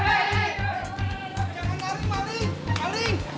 jangan lari malink